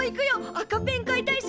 赤ペン買いたいし。